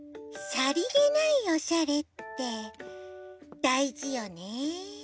「さりげないおしゃれ」ってだいじよね。